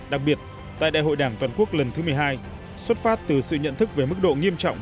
đặc biệt tại đại hội đảng toàn quốc lần thứ một mươi hai xuất phát từ sự nhận thức về mức độ nghiêm trọng